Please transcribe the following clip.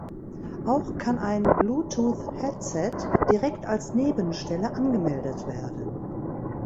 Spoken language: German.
Auch kann ein Bluetooth Headset direkt als Nebenstelle angemeldet werden.